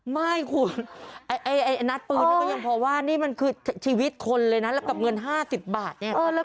ไม่คุณไอ้นัดปืนนี่ก็ยังพอว่านี่มันคือชีวิตคนเลยนะแล้วกับเงิน๕๐บาทเนี่ย